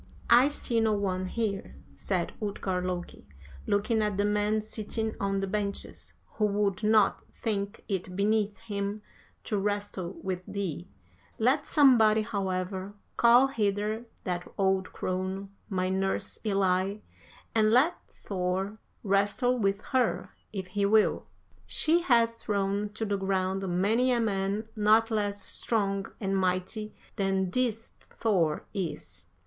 "'I see no one here,' said Utgard Loki, looking at the men sitting on the benches, 'who would not think it beneath him to wrestle with thee; let somebody, however, call hither that old crone, my nurse Elli, and let Thor wrestle with her if he will. She has thrown to the ground many a man not less strong and mighty than this Thor is.'